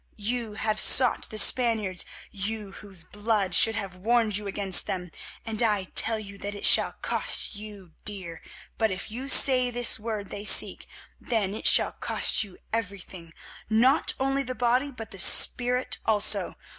You have sought the Spaniards, you, whose blood should have warned you against them, and I tell you that it shall cost you dear; but if you say this word they seek, then it shall cost you everything, not only the body, but the spirit also.